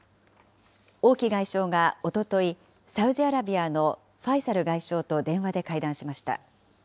王毅外相がおととい、サウジアラビアのファイサル外相と電話で会談しました。